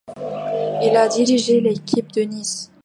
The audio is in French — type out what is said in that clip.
Il a dirigé l'équipe de Nice.